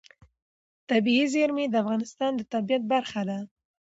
طبیعي زیرمې د افغانستان د طبیعت برخه ده.